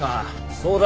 そうだ。